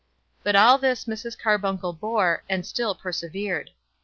But all this Mrs. Carbuncle bore, and still persevered.